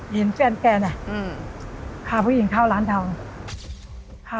แม่ไม่ไปแต่แม่ก็รู้แล้วแหละ